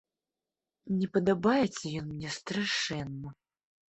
Не падабаецца ён мне страшэнна.